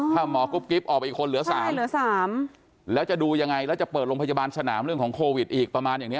ถ้าหมอกุ๊กกิ๊บออกไปอีกคนเหลือ๓แล้วจะดูยังไงแล้วจะเปิดโรงพยาบาลสนามเรื่องของโควิดอีกประมาณอย่างเ